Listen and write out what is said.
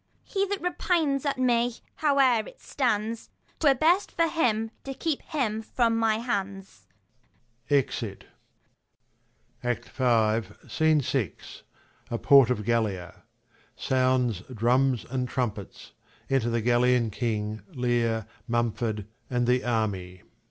He that repines at me, howe'r it stands, 30 'Twere best for him to keep him from my hands. \_Exit. SCENE VI. A Port of Gallia. Sounds drums and trumpets : Enter the Gallian king, Leir, Mumford, and the army.